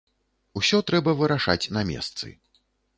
Усё трэба вырашаць на месцы.